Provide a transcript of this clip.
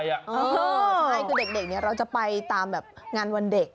ใช่ก็เด็กเนี่ยเราจะไปตามงานวันเด็ก